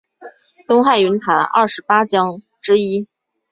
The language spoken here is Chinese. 东汉云台二十八将之一。